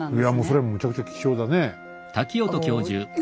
それはむちゃくちゃ貴重だね。